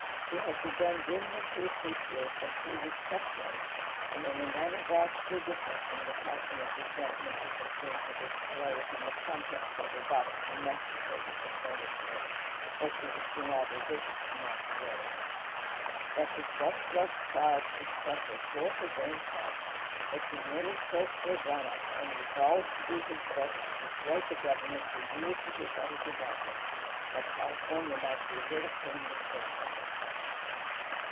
He had begun dimly to appreciate that she was suffering, and in a manner vastly different from the passionate resentment he had seen her display when the contents of a box from Mexico disappointed her, or she was denied a visit to Monterey. That his best loved child should suffer tore his own heart, but he merely cursed Rezanov and resolved to do his best to persuade the Governor to yield to his other demands, that California might be rid of him the sooner.